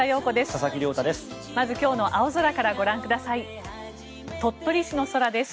佐々木亮太です。